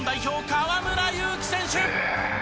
河村勇輝選手。